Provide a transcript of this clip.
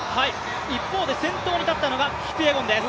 一方で先頭に立ったのがキピエゴンです。